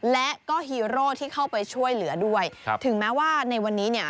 และก็ฮีโร่ที่เข้าไปช่วยเหลือด้วยครับถึงแม้ว่าในวันนี้เนี่ย